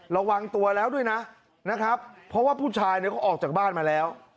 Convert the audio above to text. ระวังตัวแล้วด้วยนะนะครับเพราะว่าผู้ชายเนี่ยเขาออกจากบ้านมาแล้ว